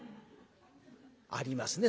ありますね